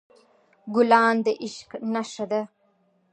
ګلان د عشق نښه ده.